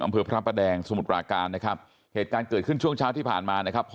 พระประแดงสมุทรปราการนะครับเหตุการณ์เกิดขึ้นช่วงเช้าที่ผ่านมานะครับ